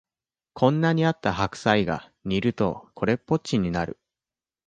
こんなにあった白菜が煮るとこれっぽっちになる